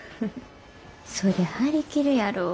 そりゃ張り切るやろ。